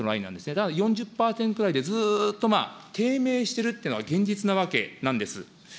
ただ４０％台でずっと低迷しているっていうのが現実なわけなんです。